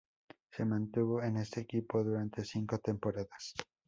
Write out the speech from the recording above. Se mantuvo en este equipo durante cinco temporadas.